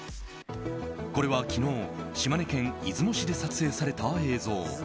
これは昨日、島根県出雲市で撮影された映像。